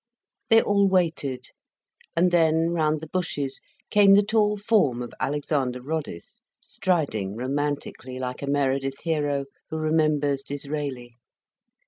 They all waited. And then round the bushes came the tall form of Alexander Roddice, striding romantically like a Meredith hero who remembers Disraeli.